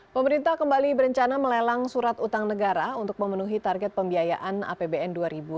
pemerintah kembali berencana melelang surat utang negara untuk memenuhi target pembiayaan apbn dua ribu delapan belas